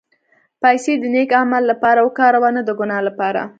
پېسې د نېک عمل لپاره وکاروه، نه د ګناه لپاره.